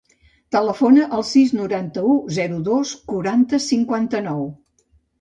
Telefona al sis, noranta-u, zero, dos, quaranta, cinquanta-nou.